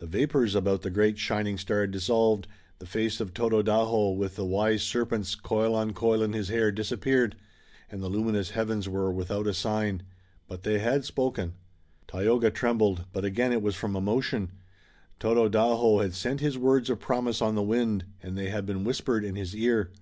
The vapors about the great shining star dissolved, the face of Tododaho, with the wise serpents, coil on coil in his hair, disappeared, and the luminous heavens were without a sign. But they had spoken. Tayoga trembled, but again it was from emotion. Tododaho had sent his words of promise on the wind, and they had been whispered in his ear.